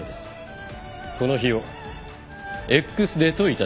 この日をＸデーといたします。